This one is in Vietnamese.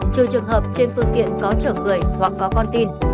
trừ trường hợp trên phương tiện có chở người hoặc có con tin